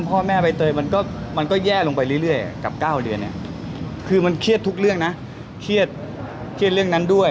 จะเครียดเรื่องนั้นด้วย